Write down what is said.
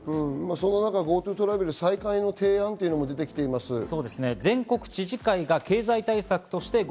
そんな中、ＧｏＴｏトラベル再開の提案も出てきています。